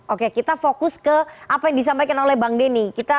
oke kita fokus ke apa yang disampaikan oleh bang denny